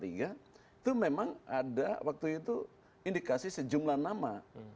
itu memang ada waktu itu indikasi sejumlah nama